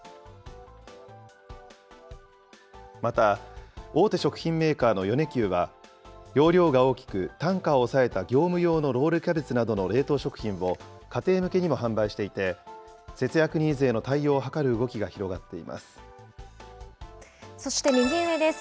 また大手食品メーカーの米久は、容量が大きく単価を抑えた業務用のロールキャベツなどの冷凍食品を家庭向けにも販売していて、節約ニーズへの対応を図る動きが広そして右上です。